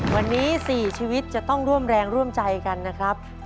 วันนี้๔ชีวิตจะต้องร่วมแรงร่วมใจกันนะครับ